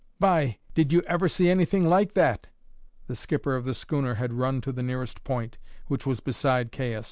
"By ! Did you ever see anything like that?" The skipper of the schooner had run to the nearest point, which was beside Caius.